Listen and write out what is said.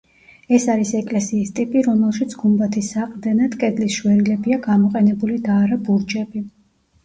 ეს არის ეკლესიის ტიპი, რომელშიც გუმბათის საყრდენად კედლის შვერილებია გამოყენებული და არა ბურჯები.